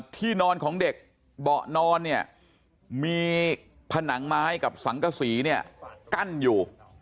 ที่นอนของเด็กเบาะนอนเนี่ยมีผนังไม้กับสังกษีเนี่ยกั้นอยู่